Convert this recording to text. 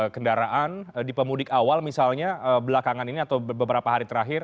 kendaraan di pemudik awal misalnya belakangan ini atau beberapa hari terakhir